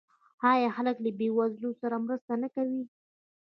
آیا خلک له بې وزلو سره مرسته نه کوي؟